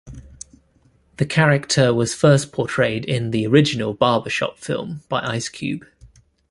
The character was first portrayed in the original "Barbershop" film by Ice Cube.